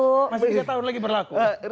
masih tiga tahun lagi berlaku